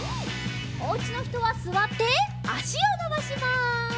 おうちのひとはすわってあしをのばします。